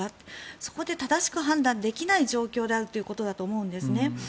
そこで正しく判断できない状況であるということだと思うんです。